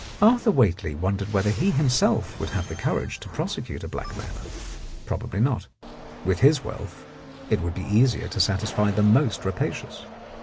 Arthur Whately wondered whether he himself would have the courage to prosecute a Blackmailer. Probably not; with his wealth it would be easier to satisfy the most rapacious.